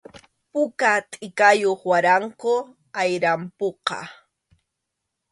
Puka tʼikayuq waraqum ayrampuqa.